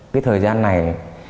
cái thời gian này